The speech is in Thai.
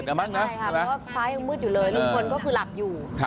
ใช่ครับเพราะว่าฟ้ายังมืดอยู่เลยลุงคนก็คือหลับอยู่